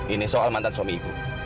ini soal mantan suami ibu